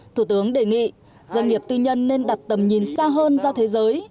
thủ tướng đề nghị doanh nghiệp tư nhân nên đặt tầm nhìn xa hơn ra thế giới